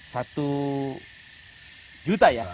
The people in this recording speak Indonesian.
satu juta ya